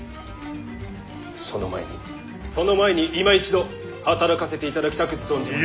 その前にその前にいま一度働かせていただきたく存じまする！